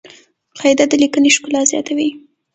قاعده د لیکني ښکلا زیاتوي.